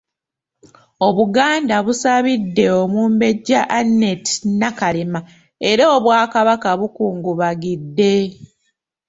Obuganda busabidde omumbejja Annette Nakalema era Obwakabaka bukungubagidde.